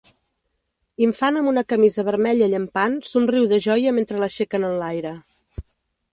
Infant amb una camisa vermella llampant somriu de joia mentre l'aixequen enlaire.